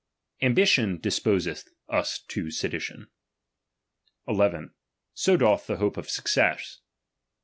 Am bition disposethus to sedition. II. So doth the hope of success.